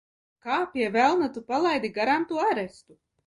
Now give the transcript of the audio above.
Kā, pie velna, tu palaidi garām to arestu?